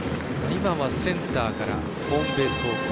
今はセンターからホームベース方向。